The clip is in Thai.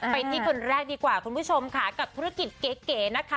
ไปที่คนแรกดีกว่าคุณผู้ชมค่ะกับธุรกิจเก๋นะคะ